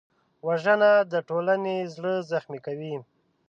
وژنه د ټولنې زړه زخمي کوي